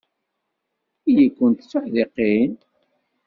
Ili-kent d tuḥdiqin.